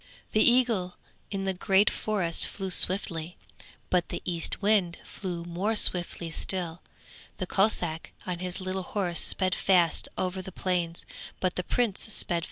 The eagle in the great forest flew swiftly, but the Eastwind flew more swiftly still. The Kossack on his little horse sped fast over the plains, but the Prince sped faster still.